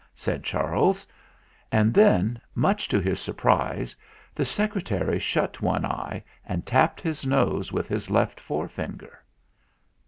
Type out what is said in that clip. said Charles. And then, much to his surprise, the Secre tary shut one eye and tapped his nose with his left forefinger.